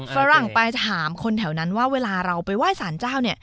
ฝรั่งไปถามคนแถวนั้นว่าเวลาเราไปว่ายสารเจ้า